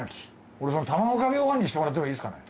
俺卵かけごはんにしてもらってもいいですかね？